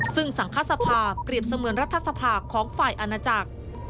ซึ่งสังฆสภาเปรียบเสมือนรัฐสภาของฝ่ายอาณาจักร